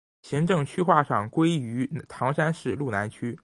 行政区划上归入唐山市路南区。